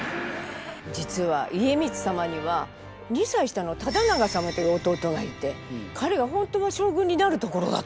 実は家光様には２歳下の忠長様という弟がいて彼が本当は将軍になるところだったんですよ。